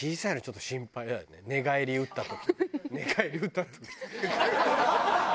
寝返り打った時。